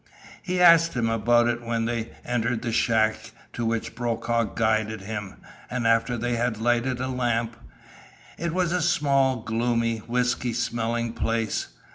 He asked him about it when they entered the shack to which Brokaw guided him, and after they had lighted a lamp. It was a small, gloomy, whisky smelling place.